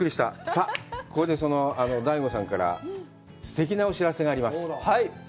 さあ、ここでＤＡＩＧＯさんからすてきなお知らせがあります。